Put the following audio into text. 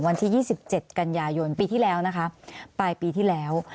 วันที่๒๗กันยายนปีที่แล้วนะคะปลายปีที่แล้ว